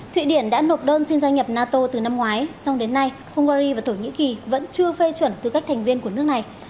thụy điển đã nộp đơn xin gia nhập nato từ năm ngoái song đến nay hungary và thổ nhĩ kỳ vẫn chưa phê chuẩn tư cách thành viên của nước này